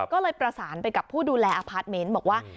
ก็เลยประสานไปกับผู้ดูแลอพาร์ทเมนต์บอกว่า